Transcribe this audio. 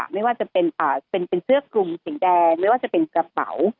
ไม่ว่าจะเป็นเสื้อคลุมสีแดงไม่ว่าจะเป็นกระเป๋า